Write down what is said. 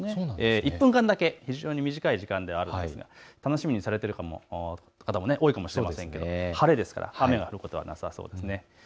１分間だけ、非常に短い時間ではあるんですが、楽しみにされてる方も多いと思いますが晴れですから雨が降ることはなさそうです。